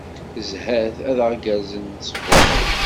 Zhat ad aɣ-gerzen ṣṣbuḥ.